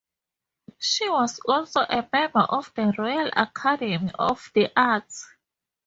She was also a member of the Royal Academy of the Arts.